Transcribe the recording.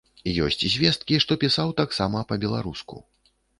Ёсць звесткі, што пісаў таксама па-беларуску.